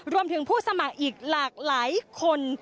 รวมถึงผู้สมัครอีกหลากหลายคน